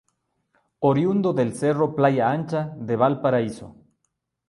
Oriundo del cerro Playa Ancha de Valparaíso.